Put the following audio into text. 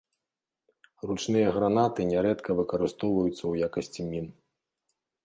Ручныя гранаты нярэдка выкарыстоўваюцца ў якасці мін.